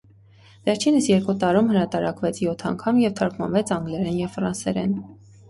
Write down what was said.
Վերջինս երկու տարում հրատարակվեց յոթ անգամ և թարգմանվեց անգլերեն ու ֆրանսերեն։